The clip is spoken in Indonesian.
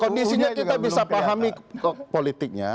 kondisinya kita bisa pahami politiknya